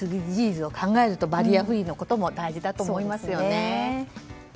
ＳＤＧｓを考えるとバリアフリーのことも大事だと思いますよね。